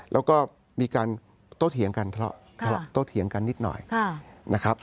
แล้วก็มีการโตเถียงกันทะเลาะโตเถียงกันนิดหน่อยนะครับ